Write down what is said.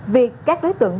việc các đối tượng